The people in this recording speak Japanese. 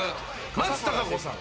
松たか子さん。